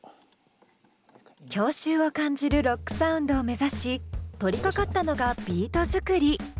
郷愁を感じるロックサウンドを目指し取りかかったのがビート作り。